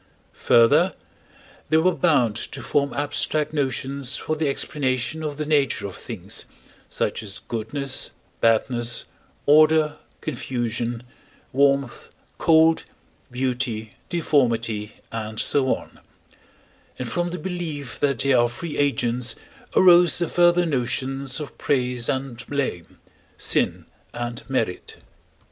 Further, they were bound to form abstract notions for the explanation of the nature of things, such as goodness, badness, order, confusion, warmth, cold, beauty, deformity, and so on; and from the belief that they are free agents arose the further notions of praise and blame, sin and merit.